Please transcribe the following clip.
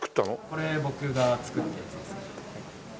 これ僕が作ったやつです。